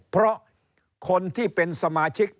เพราะคนที่เป็นสมาชิก